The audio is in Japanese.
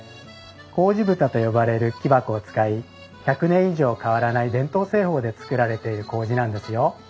麹蓋と呼ばれる木箱を使い１００年以上変わらない伝統製法で作られている麹なんですよ。